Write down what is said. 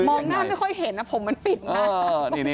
มองหน้าไม่ค่อยเห็นนะผมมันปิดไง